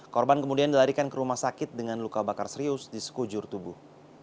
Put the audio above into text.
korban kemudian dilarikan ke rumah sakit dengan luka bakar serius di sekujur tubuh